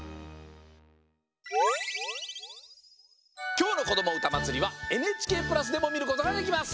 きょうの「こどもうたまつり」はＮＨＫプラスでもみることができます。